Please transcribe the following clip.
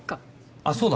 あっそうだ。